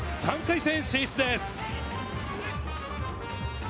３回戦進出です。